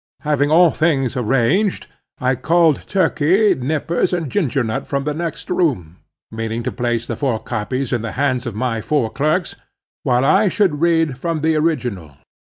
Having all things arranged I called Turkey, Nippers and Ginger Nut from the next room, meaning to place the four copies in the hands of my four clerks, while I should read from the original.